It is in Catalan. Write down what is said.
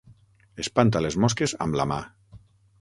Espanta les mosques amb la mà.